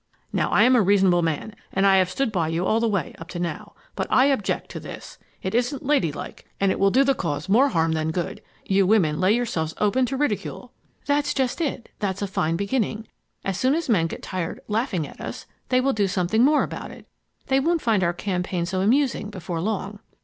Now I am a reasonable man and I have stood by you all the way up to now, but I object to this. It isn't ladylike, and it will do the cause more harm than good. You women lay yourselves open to ridicule." "That's just it—that's a fine beginning. As soon as men get tired laughing at us, they will do something more about it. They won't find our campaign so amusing before long."